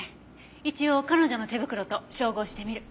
一応彼女の手袋と照合してみる。